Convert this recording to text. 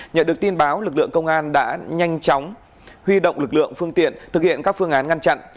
nhận được tin báo lực lượng công an đã nhanh chóng huy động lực lượng phương tiện thực hiện các phương án ngăn chặn